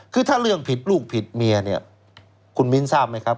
คือถ้าเรื่องผิดลูกผิดเมียเนี่ยคุณมิ้นทราบไหมครับ